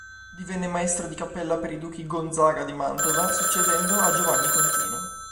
Divenne maestro di cappella per i duchi Gonzaga di Mantova, succedendo a Giovanni Contino.